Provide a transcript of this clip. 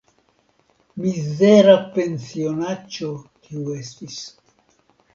Mizera pensionaĉo tiu estis.